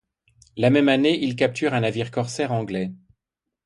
La même année, il capture un navire corsaire anglais.